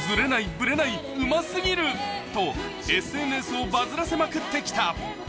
と、ＳＮＳをバズらせまくってきた。